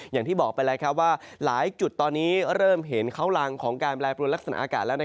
อย่างที่บอกไปแล้วว่าหลายจุดตอนนี้เริ่มเห็นเขารังของการแปรปรวนลักษณะอากาศแล้ว